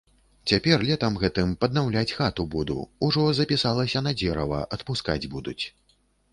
Цяпер, летам гэтым, паднаўляць хату буду, ужо запісалася на дзерава, адпускаць будуць.